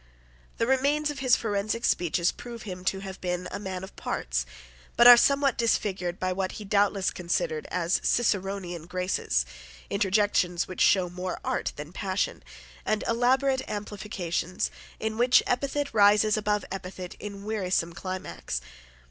The remains of his forensic speeches prove him to have been a man of parts, but are somewhat disfigured by what he doubtless considered as Ciceronian graces, interjections which show more art than passion, and elaborate amplifications, in which epithet rises above epithet in wearisome climax.